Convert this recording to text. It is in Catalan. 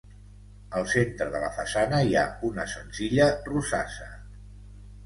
Al centre de la façana hi ha una senzilla rosassa.